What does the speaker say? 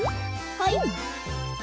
はい。